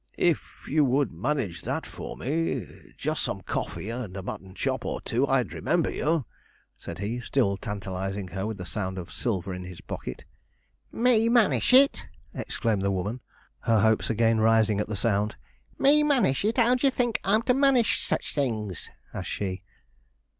'If you would manage that for me, just some coffee and a mutton chop or two, I'd remember you,' said he, still tantalizing her with the sound of the silver in his pocket. 'Me manish it!' exclaimed the woman, her hopes again rising at the sound; 'me manish it! how d'ye think I'm to manish sich things?' asked she.